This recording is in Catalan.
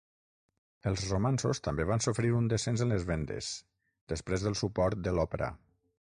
Els romanços també van sofrir un descens en les vendes, després del suport de l'Oprah.